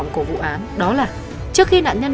của vụ án đó là trước khi nạn nhân